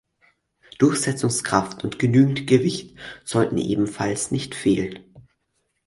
Durchsetzungskraft und genügend Gewicht sollten ebenfalls nicht fehlen.